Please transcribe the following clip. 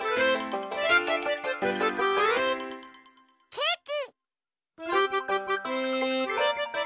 ケーキ！